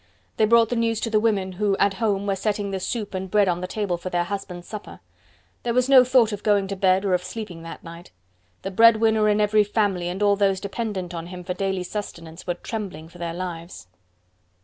They brought the news to the women, who, at home, were setting the soup and bread on the table for their husbands' supper. There was no thought of going to bed or of sleeping that night. The bread winner in every family and all those dependent on him for daily sustenance were trembling for their lives.